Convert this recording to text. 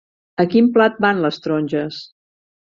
A quin plat van les taronges?